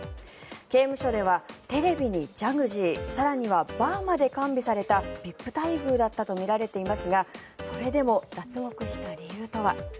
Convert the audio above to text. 刑務所ではテレビにジャグジー更にはバーまで完備されたＶＩＰ待遇だったとみられていますがそれでも脱獄した理由とは。